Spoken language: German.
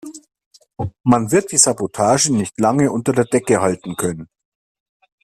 Man wird die Sabotage nicht lange unter der Decke halten können.